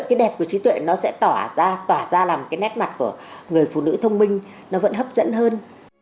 cái đẹp của trí tuệ nó sẽ tỏa ra tỏa ra làm cái nét mặt của người phụ nữ thông minh nó vẫn hấp dẫn hơn